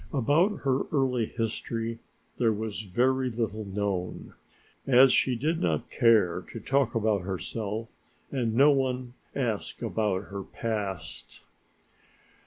About her early history there was very little known, as she did not care to talk about herself and no one asked about her past.